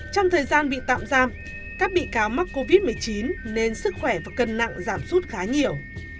trong thời gian bị tạm giam các bị cáo mắc covid một mươi chín nên sức khỏe và cân nặng giảm sút khá nhiều